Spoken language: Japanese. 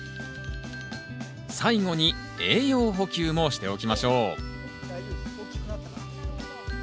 最後に栄養補給もしておきましょう次は先生。